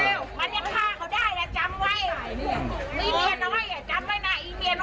หาเลี้ยงด้วย